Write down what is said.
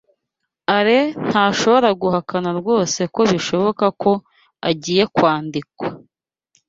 Alain ntashobora guhakana rwose ko bishoboka ko agiye kwandikwa.